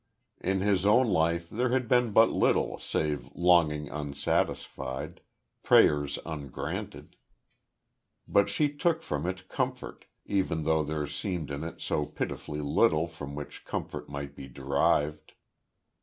In his own life, there had been but little save longing unsatisfied, prayers ungranted. But she took from it comfort even though there seemed in it so pitifully little from which comfort might be derived.